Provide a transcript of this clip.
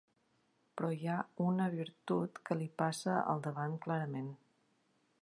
Però hi ha una virtut que li passa al davant clarament.